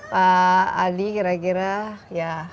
pak adi kira kira ya